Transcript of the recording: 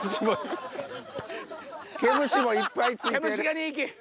毛虫もいっぱい付いてる。